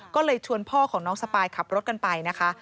ก็เลยชวนพ่อของน้องสปายขับรถกันไปนะคะ